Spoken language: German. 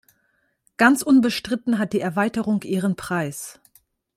Ganz unbestritten hat die Erweiterung ihren Preis.